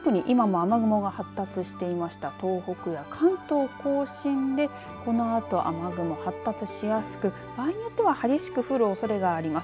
特に今も雨雲が発達していました東北や関東甲信でこのあと雨雲発達しやすく場合によっては激しく降るおそれがあります。